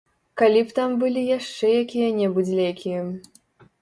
Калі б там былі яшчэ якія-небудзь лекі.